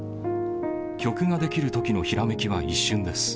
曲ができるときのひらめきは一瞬です。